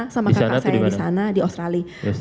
sama kakak saya di sana di australia